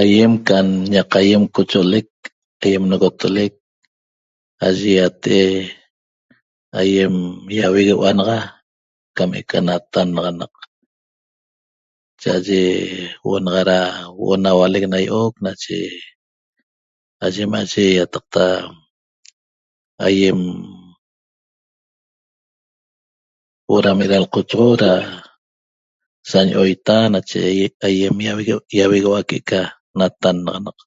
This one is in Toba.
Aiem ca ñaq aiem cocho'olec aiem nogotolec aye iate'e aiem iauegueua'a naxa cam eca natannaxanaq cha'aye huo'o naxa ra huo'o na hualec na io'oc nache ayem aye iataqta aiem huo'o ram era lqochoxo ra sañio'oita nache aiem iauegueua'a aiem iauegueua'a cam eca natannaxanaq